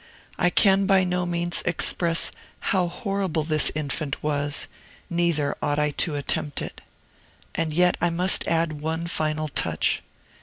I can by no means express how horrible this infant was, neither ought I to attempt it. And yet I must add one final touch.